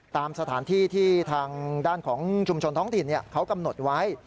ตามสถานที่ที่ทางด้านของชุมชนท้องถิ่นเขากำหนดไว้